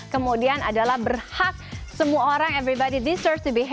kemudian adalah berhak semua orang everybody desearch to be hand